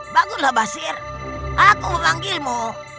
bangunlah mbak sir aku memanggilmu